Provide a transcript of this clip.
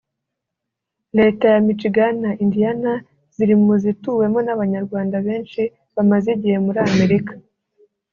Leta ya Michigan na Indiana ziri mu zituwemo n’Abanyarwanda benshi bamaze igihe muri Amerika